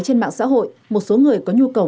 trên mạng xã hội một số người có nhu cầu